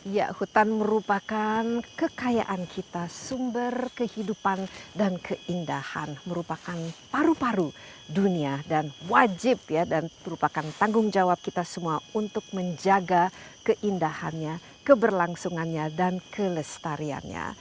ya hutan merupakan kekayaan kita sumber kehidupan dan keindahan merupakan paru paru dunia dan wajib ya dan merupakan tanggung jawab kita semua untuk menjaga keindahannya keberlangsungannya dan kelestariannya